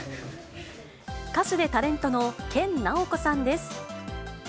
歌手でタレントの研ナオコさんです。